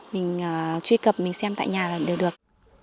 mình truy cập mình xem tại nhà là đều được